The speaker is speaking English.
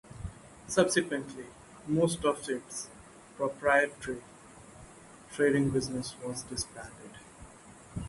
Subsequently, most of its proprietary trading business was disbanded.